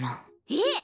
えっ？